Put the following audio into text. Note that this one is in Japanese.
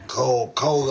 顔が。